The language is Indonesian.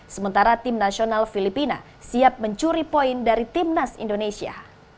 sementara timnasional filipina siap mencuri poin dari timnas indonesia